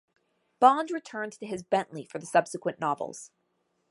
Bond returned to his Bentley for the subsequent novels.